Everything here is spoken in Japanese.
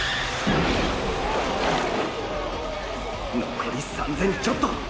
残り３，０００ちょっと。